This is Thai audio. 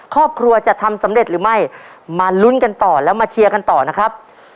ครอบครัวจะทำสำเร็จหรือไม่มาลุ้นกันต่อแล้วมาเชียร์กันต่อนะครับ